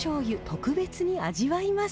特別に味わいます。